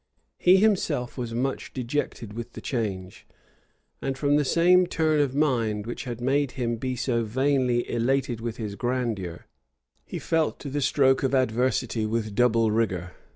He himself was much dejected with the change; and from the same turn of mind which had made him be so vainly elated with his grandeur, he felt the stroke of adversity with double rigor.